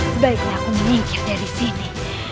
sebaiknya aku menyingkir dari sini